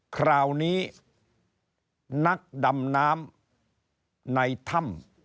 คราวนี้นักดำน้ำในถ้ำ